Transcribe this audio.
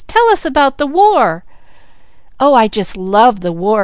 "Tell us about the war! Oh I just love the war!"